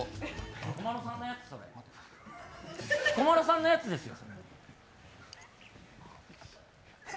彦摩呂さんのやつですよ。